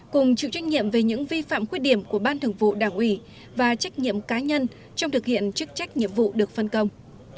cùng chịu trách nhiệm về những vi phạm khuyết điểm của ban thường vụ đảng ủy và trách nhiệm cá nhân trong thực hiện chức trách nhiệm vụ được phân công